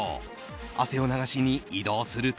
汗を流しに移動すると。